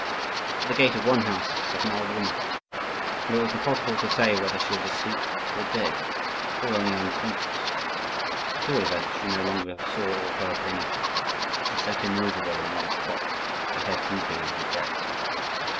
At the gate of one house sat an old woman, and it was impossible to say whether she was asleep or dead, or only unconscious; at all events, she no longer saw or heard anything, and sat immovable in one spot, her head drooping on her breast.